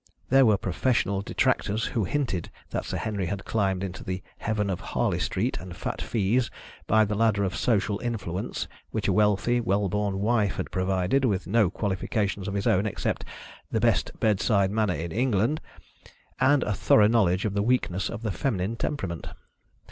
There were professional detractors who hinted that Sir Henry had climbed into the heaven of Harley Street and fat fees by the ladder of social influence which a wealthy, well born wife had provided, with no qualifications of his own except "the best bedside manner in England" and a thorough knowledge of the weaknesses of the feminine temperament.